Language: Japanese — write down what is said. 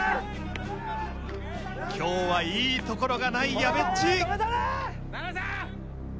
（今日はいいところがないやべっち。